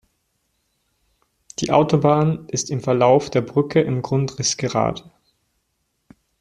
Die Autobahn ist im Verlauf der Brücke im Grundriss gerade.